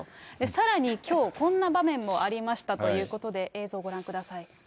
さらに、きょう、こんな場面もありましたということで、映像ご覧ください。